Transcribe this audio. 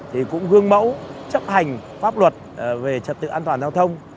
thì cũng gương mẫu chấp hành pháp luật về trật tự an toàn giao thông